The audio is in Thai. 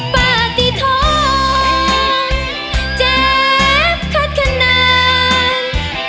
ป้าตีท้องเจ็บขัดขนาด